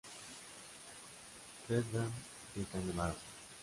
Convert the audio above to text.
Vda de Canevaro.